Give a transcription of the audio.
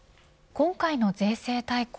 今回の税制大綱